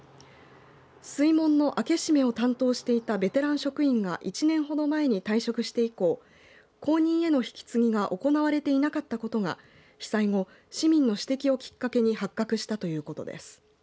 水門の開け閉めを担当していたベテラン職員が１年ほど前に退職して以降後任への引き継ぎが行われていなかったことが被災後、市民の指摘をきっかけに発覚したということです。